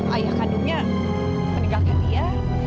ayah kandungnya meninggalkan dia